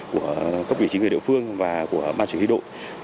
của các vị chính người địa phương và của ba chủ thi độ